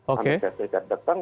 amerika serikat datang